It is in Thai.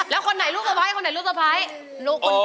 แล้วคนไหนลูกสะไพรคนไหนลูกสะไพร